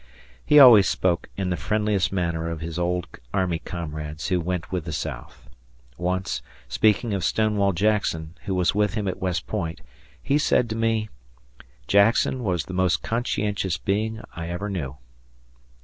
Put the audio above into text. He aways spoke in the friendliest manner of his old army comrades who went with the South. Once, speaking of Stonewall Jackson, who was with him at West Point, he said to me, "Jackson was the most conscientious being I ever knew."